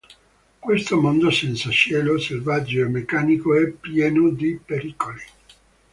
Questo mondo senza cielo, selvaggio e meccanico, è pieno di pericoli.